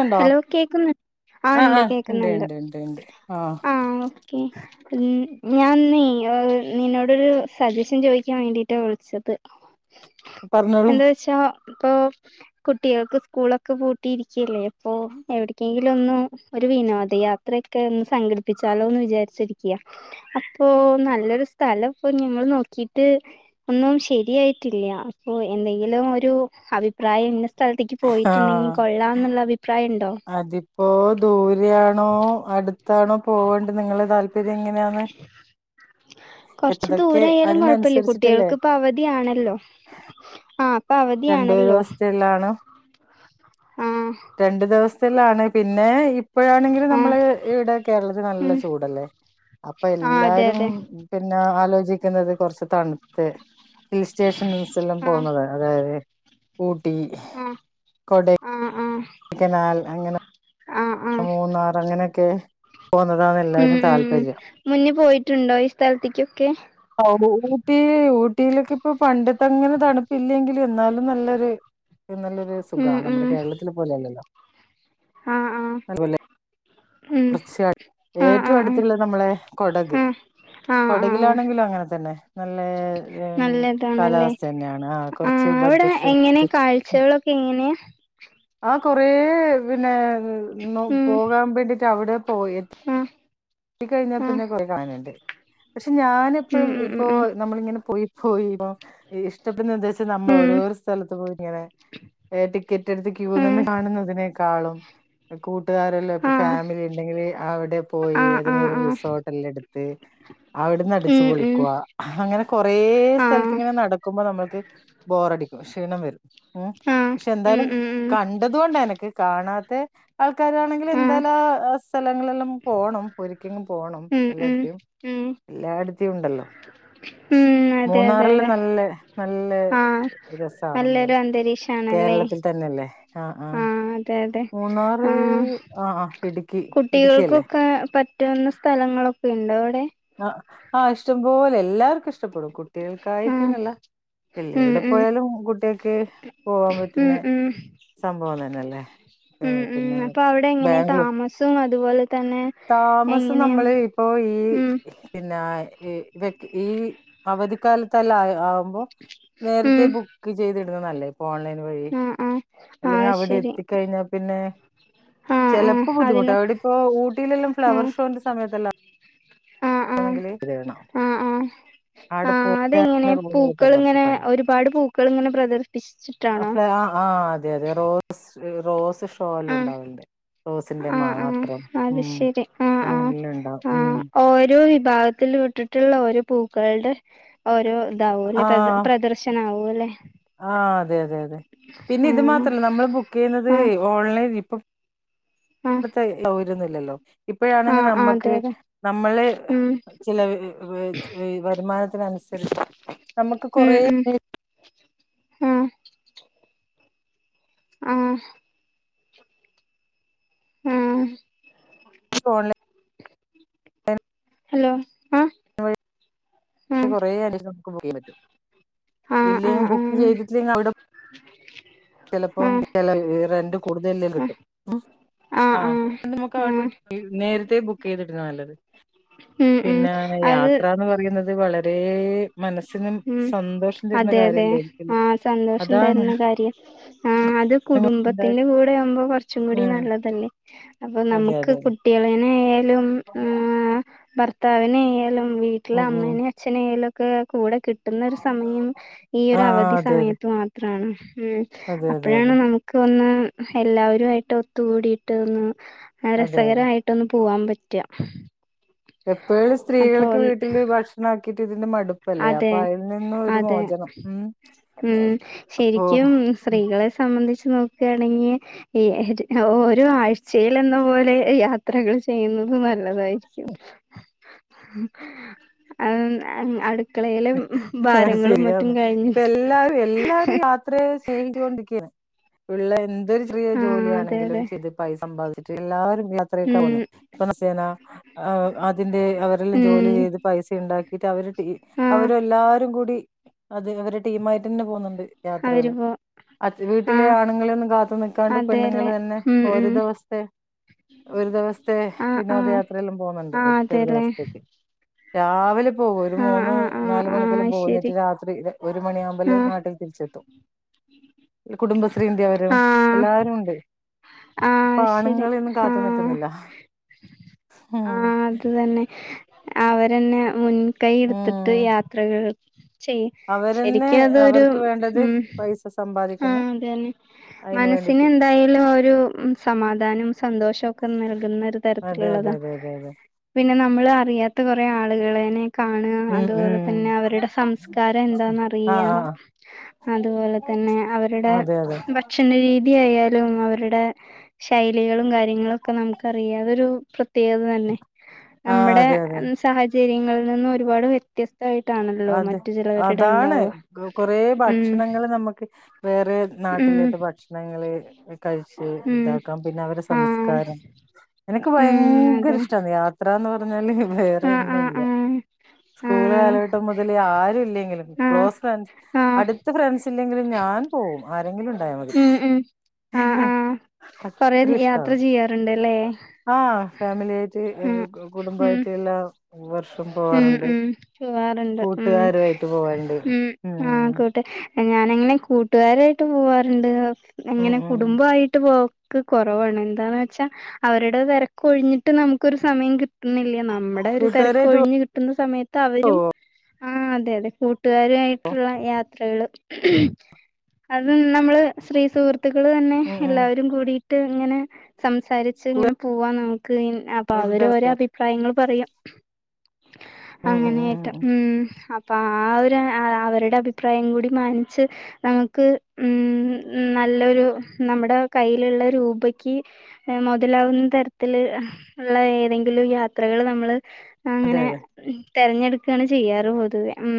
ണ്ടോ ഹലോ കേക്കുന്നു ആഹ് ണ്ട് ഉണ്ട് കേക്കുന്നുണ്ട് ഉണ്ട് ഉണ്ട് ഉണ്ട് ആഹ് ഓക്കേ ഉ ഞാൻീ നിന്നോടൊരു സജഷൻ ചോദിക്കാൻ വേണ്ടിയിട്ടാണ് വിളിച്ചത് പറഞ്ഞോളൂ ക്ഷ ഇപ്പൊ കുട്ടികൾക്ക് സ്കൂളൊക്കെ പൂട്ടിരിക്ക ക്കല്ലേ ഇപ്പൊ എവിടക്കെങ്കിലും ഒന്നും ഒരു വിനോദയാത്രയൊക്കെ ഒന്ന് സംഘടിപ്പിച്ചാലോ എന്ന് വിചാരിച്ചിരിക്കയാ അപ്പൊ നല്ലൊരു സ്ഥലംപ്പൊ നിങ്ങൾ നോക്കിട്ട് ഒന്നും ശരിയായിട്ടില്ല അപ്പൊ എന്തെങ്കിലും ഒരു അഭിപ്രായം സ്ഥലത്തേക്ക് ആഹ് പോയിട്ടുണ്ടെങ്കിൽ കൊള്ളാംന്നുള്ള അഭിപ്രായം ഉണ്ടോ അതിപ്പോ ദൂരയാണോ അടുത്താണോ പോവണ്ട് നിങ്ങളെ താല്പര്യം എങ്ങനെയാന്ന് കൊറച്ച് അതൊക്കെ ദൂരയാലും കൊഴപ്പല്ല അതിനനുസരിച്ചിട്ടല്ലേ കുട്ടികൾക്ക് ഇപ്പൊ അവധിയാണല്ലോ ആഹ് ഇപ്പ രണ്ടുപേരും അവധിയാണല്ലോ ഹോസ്റ്റലാണോ ആഹ് രണ്ടു ദിവസത്തിലാണ് പിന്നെ ഈഹ് ഇപ്പോഴാണെങ്കില് ആഹ് നമ്മളെ ഈടെ കേരളത്തിൽ നല്ല ഉം ചൂടല്ലേ അപ്പൊ ആഹ് അതെ എല്ലാരും അതെ പിന്നെ ആലോചിക്കുന്നത് കൊറച്ച് തണുത്ത് ഹിൽ സ്റ്റേഷ ഹിൽസ് ആഹ് പോകുന്നതാണ് അതായത് ഊട്ടി ആഹ് കൊടെ ആഹ് ആഹ് ക്കേനാൽ അങ്ങനെ ആഹ് ആഹ് മൂന്നാർ അങ്ങനെയൊക്കെ പോന്നതാണ് ഉം എല്ലരും ഉം ഉം താല്പര്യം മുന്നേ പോയിറ്റുണ്ടോ ഈഹ് സ്ഥലത്തേക്കൊക്കെ ആഹ് ഊട്ടി ഊട്ടിയിലൊക്കെ ഇപ്പൊ പണ്ടത്തെങ്ങനെ തണുപ്പല്ലെങ്കിലും എന്നാലും നല്ലൊരു അത് നല്ലൊരു ഉം സുഖവാ ഉം നമ്മുടെ കേരളത്തിലെ പോലെ അല്ലല്ലോ ആഹ് ആഹ് അതു പോലെ - ഉം തൊടർച്ചയായിട്ടും [unintelligible] ആഹ് ഏറ്റവും ആഹ് ആഹ് അടുത്തുള്ളത് നമ്മളെ കൊടക് ആഹ് ആഹ് ആഹ് ആഹ് കൊടകിലാണെങ്കിലും അങ്ങനെ തന്നെ നല്ല നല്ലതാണല്ലേ കാലാവസ്ഥ തന്നെയാണ് ആഹ് കൊറച്ച് അവിടെ ബഡ്ജറ്റ് എങ്ങനെ കാഴ്ചകളൊക്കെ എങ്ങനെയാ ആഹ് കൊറ പിന്നെ ഉം പോകാൻ വേണ്ടിട്ട് അവിടെ പോയി ആഹ് പോയി ആഹ് കഴിഞ്ഞാപ്പിന്നെ കൊറേ കാണാനുണ്ട് പക്ഷെ ഞാന് ഉം ഇപ്പഴും ഉം ഇപ്പോ- ഉം ഉം നമ്മളിങ്ങനെ പൊയി പോയി ഇപ്പ ഇഷ്ടത്തിന് എന്താ വെച്ചാ നമ്മള് ഉം ഓരോരോ സ്ഥലത്ത് പോയി ഇങ്ങനെ- ഏയെ ടിക്കറ്റ് എടുത്ത് ക്യൂ ഉം നിന്ന് കാണുന്നതിനേക്കാളും- കൂട്ടുകാരല്ലോ ഇപ്പൊ ആഹ് ഫാമിലി ഇണ്ടെങ്കിൽ അവിടെ ആഹ് പോയി- തിന് ആഹ് ഒരു ആഹ് റിസോർട്ട് എല്ലാം എടുത്ത്- അവിടുന്ന് അടിച്ച് ഉം ഉം പൊളിക്കുവാ അങ്ങനെ കൊറേ ആഹ് സ്ഥലത്ത് ഇങ്ങനെ നടക്കുമ്പോ നമ്മൾക്ക്- ബോറടിക്കും ക്ഷീണം വരും ഉം ആ പക്ഷെ ഉം എന്താലും- ഉം ഉം കണ്ടത് കൊണ്ടാ എനക്ക് കാണാത്തെ- ആൾക്കാരാണെങ്കില് ആ എഎന്തെല്ലാം സ്ഥലങ്ങളെല്ലാം പോണം ഒരിക്കെങ്ങും പോണം ഉം ഉം എല്ലായിടത്തേും ഉം എല്ലായിടത്തും ഇണ്ടല്ലോ ഉം അതെ അതെ മൂന്നാറില് അതെ നല്ലേ നല്ലേ ആ രസാണ് നമ്മളെ നല്ലൊരു കേരളത്തിൽ തന്നെല്ലേ ആഹ് അതെ അതെ മൂന്നാറ് ആ ആഹ് ആഹ് ഇടുക്കി ഇടുക്കി അല്ലേ ആഹ് പറ്റുന്ന സ്ഥലങ്ങളൊക്കെ ഇണ്ട് അവിടെ ആഹ് ആഹ് ഇഷ്ടംപോലെ എല്ലാർക്കും ഇഷ്ടപ്പെടും ആ കുട്ടികളാക്കായിട്ട്ന്നല്ലാ ഇല്ല ഉം എവിടെ ഉം പോയാലും കുട്ടിക്ക് പോവാൻ ഉം പറ്റുന്നേ- ഉം സംഭവം തന്നല്ലേ ഉം ഉം അപ്പൊ അവിടെ എങ്ങനെ താമസവും അതുപോലെ തന്നെ താമസം എങ്ങനെയും- നമ്മള് ഇപ്പോ ഈ പിന്നെ ഈ അവധിക്കാലത്തല്ല ആഹ്- അപ്പൊ ഉം നേരത്തെ ബുക്ക് ചെയ്തിടുന്നല്ലേ ഓൺലൈന് വഴി ആ ആ ആ അല്ലെങ്കി അവിടെ ശരി എത്തിക്കഴിഞ്ഞാ പിന്നെ- ആ ആ ചെലപ്പോ അതിന് ബുദ്ധിമുട്ടാവും അവിടിപ്പോ ഊട്ടിയിലെല്ലാം ആ ഫ്ലവർ ഷോന്റെ സമയത്തല്ലാം- ആ ആ ആണെങ്കിൽ ഇതിടണോ ആ ആ ആഹ് അതെങ്ങനെ റൂം കിട്ടാൻ കുറച്ച് പൂക്കളിങ്ങനെ പണി ഒരുപാട് പൂക്കള് ഇങ്ങനെ പ്രദർശിപ്പിച്ചു ആഹ് ആഹ് അതെ അതെ റോസ് റോസ് ഷോ എല്ലാം ആഹ് ഉണ്ടാലണ്ട് റോസിന്റെ ആഹ് ആഹ് മാത്രം അത് ഉം ശരി ആഹ് ആഹ് അങ്ങനെല്ലാം ഇണ്ടാവും ഉം ആഹ് ഓരോ വിഭാഗത്തി- വിട്ടിട്ടുള്ള ഓരോ പൂക്കളുടെ ഓരോ ഇതാവും ഇല്ലേ പ്രദ പ്രദർ - ശന ആവുവല്ലേ ആഹ് അതെ അതെ അതെ പിന്നെ ഇത് ആഹ് മാത്രല്ല നമ്മള് ബുക്ക് ചെയ്യുന്നതെ ആഹ് ഓൺലൈൻ ഇപ്പൊ- ആഹ് ഇന്നത്തെ സൗകര്യൊന്നും ഇല്ലല്ലോ ഇപ്പോഴാണെങ്കിൽ ആഹ് ആഹ് അതെ നമ്മക്ക് അതെ നമ്മള്- ഉം ചെല വരുമാനത്തിനനുസരിച്ച് നമുക്ക് ഉം കൊറേ - ഉം ആഹ് ആഹ് ആഹ് തോ [unintelligible] ആ [unintelligible] ഹലോ ആഹ് ആഹ് കുറേ അ നമുക്ക് പോകാൻ പറ്റും ഇല്ലെങ്കിൽ ബുക്ക് ചെയ്തിട്ടില്ലെങ്കിൽ അവിടെ ഉ ചിലപ്പോ ചില റെന്റ് കൂടുതലെല്ലാം ആഹ് കിട്ടും ആഹ് അത് നമുക്ക് അവിടെ പോയിട്ട് നേരത്തെ ബുക്ക് ചെയ്തിടുന്നതാ നല്ലത് ഉം ഉം പിന്നെ അത് യാത്രാന്ന് പറയുന്നത് വളരെ മനസിന് മ്മ് അതെ അതെ ആഹ് സന്തോഷം അതാണ് തരുന്ന കാര്യം ആഹ് അത് ഉം അതെ കുടുംബത്തിന്റെ കൂടെയാകുമ്പോ കുറച്ചും കൂടി നല്ലതല്ലേ അപ്പൊ നമുക്ക് അതെ അതെ കുട്ടികളന്നെ ആയാലും ഭർത്താവന്നെ ആയാലും വീട്ടില് ഉം അമ്മേനെ അച്ഛനെയും ഒക്കെ കൂടെ കിട്ടുന്ന ഒരു സമയം ഉം ഈ ഒരു ആഹ് അവധി അതെ സമയത്ത് മാത്ര മാണ് അതെ അതെ അതെ അപ്പോഴാണ് അതെ നമുക്ക് ക്ക് ഒന്ന് എല്ലാവരുമായിട്ട് ഒത്തുകൂടിയിട്ട് ഒന്ന് അതെ അതെ രസകരമായിട്ട് ഒന്ന് പോവാൻ പറ്റാ എപ്പോഴും സ്ത്രീകൾക്ക് വീട്ടില് ഭക്ഷണം ആക്കീട്ട് ഇതിന്റെ മടുപ്പല്ലേ അപ്പൊ അതെ അതിൽ നിന്നും ഒരു അതെ മോചനം മ്മ് ഉം ശരിക്കും സ്ത്രീകളെ സംബന്ധിച്ച് നോക്കുകയാണെങ്കിൽ ഈ ഓരോ ആഴ്ചയിലെന്ന പോലെ യാത്രകൾ ചെയ്യുന്നത് നല്ല തായിരിക്കും അത് അത് അടുത്ത് ആഹ് ശരിയാന്ന് കഴിഞ്ഞ് ഇപ്പം എല്ലാരും എല്ലാരും യാത്ര ചെയ്തോണ്ടിരിക്കുകയാണ് ഉള്ള എന്തൊരു ചെറിയ ആഹ് അതെ ജോലിയാണെങ്കിലും അതെ ചെയ്തിട്ട് പൈസ സമ്പാദിച്ചിട്ട് എല്ലാരും യാത്രയൊക്കെ ഉം പോന്നേ ദിവസേന അതിന്റെ അവരെല്ലാം ജോലി ഉം ചെയ്ത് പൈസ ഉണ്ടാക്കിട്ട് അവര് ആഹ് അവര് എല്ലാരും കൂടി അത് അവരുടെ ടീം ആയിട്ട് തന്നെ പോകുന്നുണ്ട് അവരിപ്പോ അത് വീട്ടിലെ ആണുങ്ങളൊന്നും കാത്തു നിക്കാണ്ട് പെണ്ണുങ്ങൾ അതെല്ലേ തന്നെ ഉം ഒരു ഉം ദിവസത്തെേ ഒരു ദിവസത്തെ ആഹ് ആഹ് വിനോദയാത്രയെല്ലാം പോകുന്നുണ്ട് ആഹ് ഒറ്റ ഒരു അതെല്ലേ ദിവസത്തേക്ക് രാവിലെ പോകും ഒരു ആഹ് മൂന്ന് ആഹ് ആഹ് നാല് മണിക്ക് ആഹ് എങ്കിലും പോന്നിട്ട് ശരി രാത്രി ഒരു മണിയെല്ലാം ആകുമ്പോ എല്ലാം ആഹ് നാട്ടിൽ തിരിച്ചെത്തും കുടുംബശ്രീൻ്റെ അവരും ആഹ് എല്ലാവരും ഉണ്ട് ഇപ്പൊ ആഹ് ശരി ആണുങ്ങളൊന്നും കാത്തു ആഹ് നിക്കുന്നില്ല ഉം ആഹ് അത് തന്നെ അവരന്നെ മുൻകൈ എടുത്തിട്ട് ഉം യാത്രകൾ ചെയ്യും അവരന്നെ ശരിക്കും അതൊരു അവർക്ക് വേണ്ടത് മ്മ് പൈസ സമ്പാദിക്കുന്നു ആഹ് അത് തന്നെ അയിന് മനസ്സിന് വേണ്ടിട്ട് എന്തായാലും ഒരു സമാധാനം സന്തോഷവും ഒക്കെ നൽകുന്ന ഒരു അതെ അതെ തരത്തിലുള്ളതാ അതെ അതെ അതെ പിന്നെ നമ്മള് അറിയാത്ത കുറെ ആളുകളെ കാണുക ഉം അതുപോലെ ഉം തന്നെ അവരുടെ സംസ്കാരം എന്താന്നറിയ ആഹ് ആഹ് അതുപോലെ തന്നെ അവരുടെ അതെ അതെ ഭക്ഷണ രീതിയായാലും അവരുടെ ശൈലികളും കാര്യങ്ങളൊക്കെ നമുക്കറിയാ അതൊരു പ്രത്യേകത തന്നെ ആഹ് നമ്മുടെ അതെ അതെ സാഹചര്യങ്ങളിൽ നിന്നും ഒരുപാട് വ്യത്യസ്ത അതെ അതാണ് കുറേ ഉം ഭക്ഷണങ്ങൾ നമ്മുക്ക് വേറെ ഉം നാട്ടിലത്തെ ഭക്ഷണങ്ങള് കഴിച്ച് ഉം ഇതാക്കാം പിന്നെ അവരുടെ ആഹ് സംസ്കാരം എനിക്ക് ഉം ഭയങ്കര അതെ ഇഷ്ടാന്ന് യാത്ര എന്ന് പറഞ്ഞാല് വേറെ ആഹ് ഒന്നും ഇല്ല ആഹ് സ്കൂൾ ആഹ് കാലഘട്ടം മുതലെ ആരും ഇല്ലെങ്കിലും ആഹ് ആഹ് ക്ലോസ് ഫ്രണ്ട്സ് ആഹ് അടുത്ത ഫ്രണ്ട്സ് ഇല്ലെങ്കിലും ഞാൻ പോകും ആരെങ്കിലും ഉണ്ടായ മതി ഉം ഉം ആഹ് ആഹ് കൊറെ അത്രിം യാത്ര ഇഷ്ട്ടാണ് ചെയ്യാറുണ്ട് അല്ലേ ആഹ് ഫാമിലി ആയിട്ട് ഉം ഉം കുടുംബായിട്ട് എല്ലാം ഉം ഉം പോവാറുണ്ട് ഉം കൂട്ടുകാരുമായിട്ട് പോവാറുണ്ട് ഉം ആഹ് ഉം കൂട്ടെ ഞാനങ്ങനെ കൂട്ടുകാരായിട്ട് പോവാറുണ്ട് ഉം എങ്ങനെ ഉം കുടുംബായിട്ട് പോ കുറവാണ് എന്താന്ന് വെച്ചാൽ അവരുടെ തിരക്ക് ഒഴിഞ്ഞിട്ട് നമുക്കൊരു സമയം കി ട്ട്ന്നില്ല നമ്മുടെ ഒരു തിരക്ക് കൂട്ടുകാരായിട്ട് പോ- ഒഴിഞ്ഞു കിട്ടുന്ന സമയത്ത് അവരും ആഹ് അതെ അതെ കൂ ട്ടുകാരുമായിട്ടുള്ള യാത്രകള് അത് നമ്മള് സ്ത്രീ സുഹൃ ത്തുക്കള് തന്നെ ഉം ഉം എല്ലാവരും കൂടിട്ട് ഇങ്ങനെ സംസാരിച്ച് ഇങ്ങനെ പോവാൻ നമുക്ക് അപ്പൊ അവര് വെറുതെ ഓരോ അഭിപ്രായങ്ങള് പറയാം അങ്ങനെയായ്റ്റാ ഉം അപ്പൊ ആ ഒരു അവരുടെ അഭിപ്രായം കൂടി മാനിച്ച് നമുക്ക് ഉം നല്ലൊരു നമ്മുടെ കയ്യിലുള്ള രൂപക്ക് മുതലാവുന്ന തരത്തില് ഉള്ള ഏതെങ്കിലും യാത്രകൾ നമ്മള് അതെ അങ്ങനെ അതെ തെരഞ്ഞെടുക്കാണ് ചെയ്യാറ് പൊതുവേ ഉം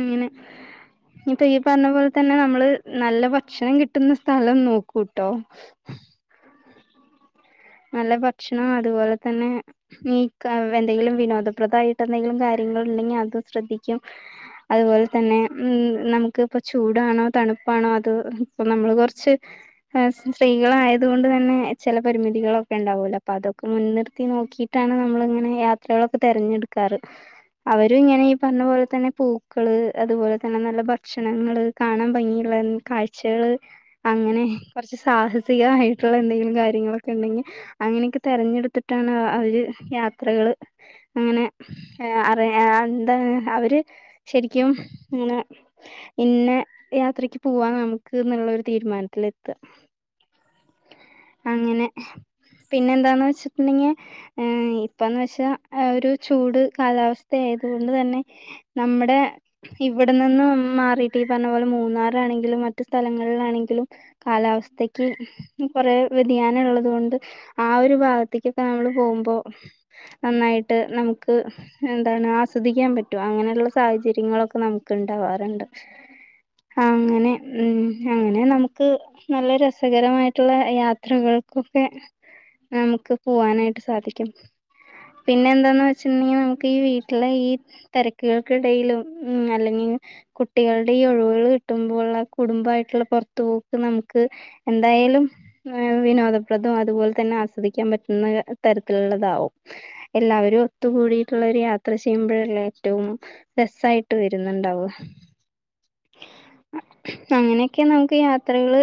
അങ്ങനെ ഇപ്പൊ ഈ പറഞ്ഞ പോലെ തന്നെ നമ്മള് നല്ല ഭക്ഷണം കിട്ടുന്ന സ്ഥലം നോക്കൂട്ടോ നല്ല ഭക്ഷണം അതുപോലെ തന്നെ നീക്ക എന്തെങ്കിലും വിനോദപ്രദമായിട്ട് എന്തെങ്കിലും കാര്യങ്ങൾ ഉണ്ടെങ്കിൽ അതും ശ്രദ്ധിക്കും അതുപോലെ തന്നെ ഉം നമുക്ക് ഇപ്പ ചൂടാണോ തണുപ്പാണോ അത് ഇപ്പൊ നമ്മള് കുറച്ച് സ്ത്രീകളായത് കൊണ്ട് തന്നെ ചില പരിമി തികളൊക്കെ ഉണ്ടാവൂലോ അപ്പൊ അതൊക്കെ മുൻനിർത്തി നോക്കിയിട്ടാണ് നമ്മളിങ്ങനെ യാത്രകളൊക്കെ തിരഞ്ഞെടുക്കാറ് അവര് ഇങ്ങനെ ഈ പറഞ്ഞ പോലെ തന്നെ പൂക്കള് അതുപോലെ തന്നെ നല്ല ഭക്ഷണങ്ങള് കാണാൻ ഭംഗിയുള്ള കാഴ്ചകള് അങ്ങനെ കുറച്ച് സാഹസികമായിട്ടുള്ള എന്തെങ്കിലും കാര്യങ്ങൾ ഉണ്ടെങ്കിൽ അങ്ങനെയൊക്കെ തിരഞ്ഞെടുത്തിട്ടാണ് അവര് യാത്രകള് അങ്ങനെ അറയാ എന്താ അവര് ശരിക്കും അങ്ങനെ ഇന്നെ യാത്രക്ക് പോവാൻ നമുക്ക് എന്നുള്ള ഒരു തീരുമാനത്തില് എത്ത അങ്ങനെ പിന്നെ എന്താന്ന് വെച്ചിട്ടുണ്ടെങ്കിൽ ഏഹ് ഇപ്പന്ന് വെച്ചാ ഒരു ചൂട് കാലാവസ്ഥ ആയതുകൊണ്ട് തന്നെ നമ്മുടെ ഇവിടെ നിന്ന് മാറിട്ട് ഈ പറഞ്ഞ പോലെ മൂന്നാറാണെങ്കിലും മറ്റു സ്ഥലങ്ങളിലാണെങ്കിലും കാലാവസ്ഥക്ക് കൊറേ വ്യതിയാനം ഉള്ള അതുകൊണ്ട് ആ ഒരു ഭാഗത്തേക്കൊക്കെ നമ്മൾ പോകുമ്പോ നന്നായിട്ട് നമുക്ക് എന്താണ് ആസ്വദിക്കാൻ പറ്റും അങ്ങനെയുള്ള സാഹചര്യങ്ങളൊക്കെ നമുക്ക് ഇണ്ടാവാറുണ്ട് അങ്ങനെ ഉം അങ്ങനെ നമുക്ക് നല്ല രസകരമായിട്ടുള്ള യാത്രകൾ ഒക്കെ നമുക്ക് പോവാനായിട്ട് സാധിക്കും പിന്നെ എന്താന്ന് വെച്ചിട്ടുണ്ടെങ്കിൽ നമുക്ക് ഈ വീട്ടിലെ ഈ തിരക്കുകൾക്കിടയിലും ഉം അല്ലെങ്കിൽ കുട്ടികളുടെ ഈ ഒഴിവുകൾ കിട്ടുമ്പോ ഉള്ള കുടുംബമായിട്ടുള്ള പുറത്തു പോക്ക് നമുക്ക് എന്തായാലും ഏഹ് വിനോദം പ്രതം അതുപോലെ തന്നെ ആസ്വദിക്കാൻ പറ്റുന്ന തരത്തിലുള്ളതാകും എല്ലാവരും ഒത്തുകൂടിട്ടുള്ളര് യാത്ര ചെയ്യുമ്പോഴല്ല ഏറ്റവും രസായിട്ട് വരുന്നുണ്ടാവ അങ്ങനെയൊക്കെ നമുക്ക് യാത്രകള്